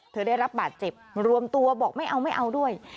ได้รับบาดเจ็บรวมตัวบอกไม่เอาไม่เอาด้วย